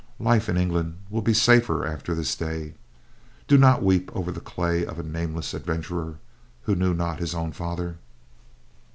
Life in England will be safer after this day. Do not weep over the clay of a nameless adventurer who knew not his own father."